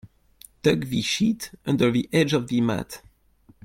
Tuck the sheet under the edge of the mat.